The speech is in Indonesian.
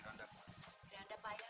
miranda payah pak